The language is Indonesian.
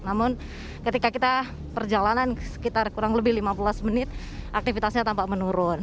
namun ketika kita perjalanan sekitar kurang lebih lima belas menit aktivitasnya tampak menurun